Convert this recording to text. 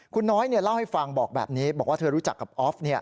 คุณน้อยเล่าให้ฟังบอกแบบนี้บอกว่าเธอรู้จักกับออฟ